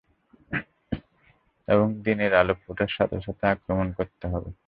এবং দিনের আলো ফোটার সাথে সাথে আক্রমণ করতে হবে।